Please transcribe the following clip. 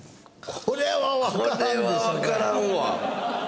これはわからんわ。